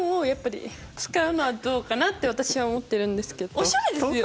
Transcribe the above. おしゃれですよね？